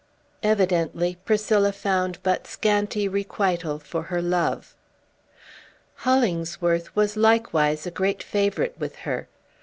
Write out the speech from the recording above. Evidently, Priscilla found but scanty requital for her love. Hollingsworth was likewise a great favorite with her.